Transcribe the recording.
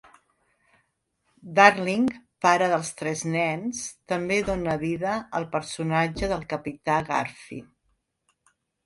Darling, pare dels tres nens, també dóna vida al personatge del Capità Garfi.